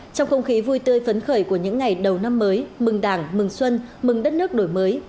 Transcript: trong không khí vui tươi phấn khởi của những ngày đầu năm mới mừng đảng mừng xuân mừng đất nước đổi mới